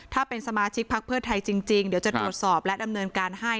ถ้าเป็นสมาชิกพักเพื่อไทยจริงเดี๋ยวจะตรวจสอบและดำเนินการให้